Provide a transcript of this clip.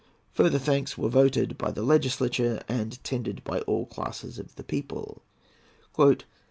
Further, thanks were voted by the legislature, and tendered by all classes of the people.